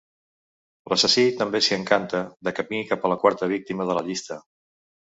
L'assassí també s'hi encanta, de camí cap a la quarta víctima de la llista.